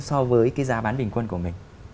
so với cái giá bán bình quân của mình